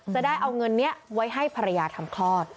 จะได้เอาเงินนี้ไว้ให้ภรรยาทำคลอด